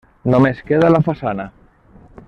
Només queda la façana.